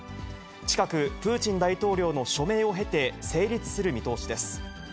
近く、プーチン大統領の署名を経て、成立する見通しです。